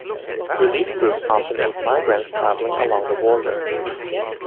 Relief groups often aid migrants traveling along the border.